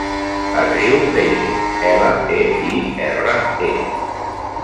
Es diu Leire: ela, e, i, erra, e.